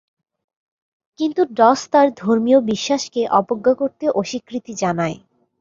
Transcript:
কিন্তু ডস তার ধর্মীয় বিশ্বাসকে অবজ্ঞা করতে অস্বীকৃতি জানায়।